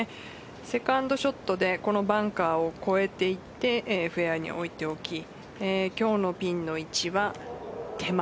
セカンドショットでこのバンカーを越えていってフェアに置いておき今日のピンの位置は手前。